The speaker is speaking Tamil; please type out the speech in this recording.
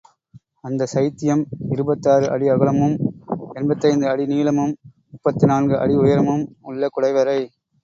அந்த சைத்தியம் இருபத்தாறு அடி அகலமும் எண்பத்தைந்து அடி நீளமும் முப்பத்து நான்கு அடி உயரமும் உள்ள குடைவரை.